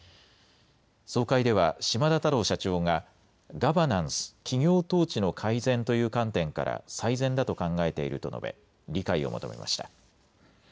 総会では島田太郎社長がガバナンス・企業統治の改善という観点から最善だと考えていると述べ理解を求めました。